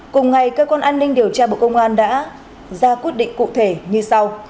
cùng ngày cơ quan an ninh điều tra bộ công an đã ra quyết định cụ thể như sau